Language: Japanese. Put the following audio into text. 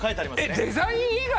えっデザイン以外？